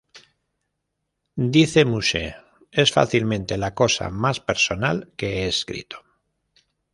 Dice Muse: "Es fácilmente la cosa más personal que he escrito.